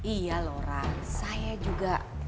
iya lora saya juga